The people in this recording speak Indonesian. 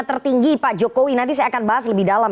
tertinggi pak jokowi nanti saya akan bahas lebih dalam